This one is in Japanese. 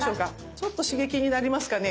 ちょっと刺激になりますかね。